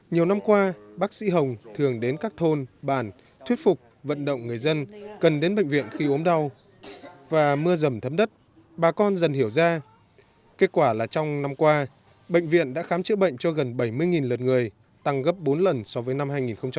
nhiều năm qua bác sĩ hồng thường đến các thôn bản thuyết phục vận động người dân cần đến bệnh viện khi ốm đau và mưa rầm thấm đất bà con dần hiểu ra kết quả là trong năm qua bệnh viện đã khám chữa bệnh cho gần bảy mươi lượt người tăng gấp bốn lần so với năm hai nghìn một mươi